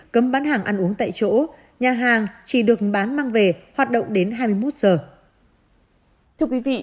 cấm bán hàng ăn uống tại chỗ nhà hàng chỉ được bán mang về hoạt động đến hai mươi một giờ